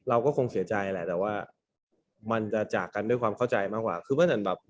เราก็คงเสียใจแหละแต่ว่ามันจะจากกันด้วยความเข้าใจมากกว่า